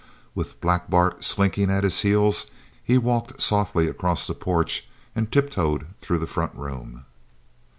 With Black Bart slinking at his heels he walked softly across the porch and tiptoed through the front room.